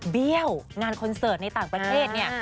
เบี้ยวงานคอนเสิร์ตในต่างประเทศเนี่ย